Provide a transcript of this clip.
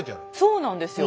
そうなんですよ。